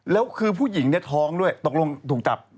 แล้วคือผู้หญิงเนี่ยท้องด้วยตกลงถูกจับ